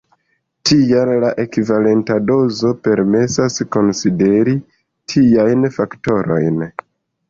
Tial la ekvivalenta dozo permesas konsideri tiajn faktorojn.